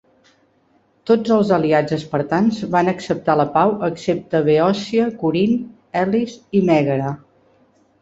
Tots els aliats espartans van acceptar la pau excepte Beòcia, Corint, Elis i Mègara.